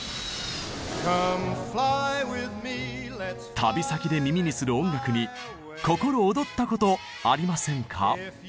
旅先で耳にする音楽に心躍ったことありませんか？